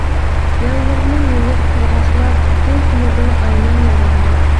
لەۋلىرىنى يۇيۇپ قىرغاقلار، تەلپۈنىدۇ ئاينىڭ نۇرىغا.